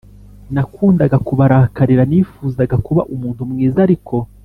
nakundaga kubarakarira Nifuzaga kuba umuntu mwiza ariko